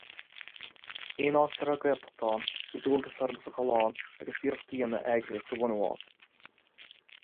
Aon áit a raibh Gaeltacht ann, bhí dualgas ormsa dul ann agus iarracht a dhéanamh eagraíocht a bhunú ann.